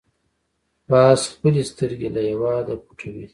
باز خپلې سترګې له هېواده پټوي